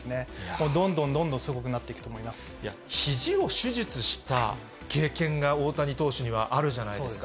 もう、どんどんどんどんすごくないや、ひじを手術した経験が、大谷投手にはあるじゃないですか。